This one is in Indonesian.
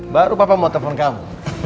baru papa mau telepon kamu